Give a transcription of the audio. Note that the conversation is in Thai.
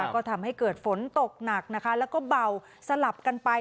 ก็ทำให้เกิดฝนตกหนักนะคะแล้วก็เบาสลับกันไป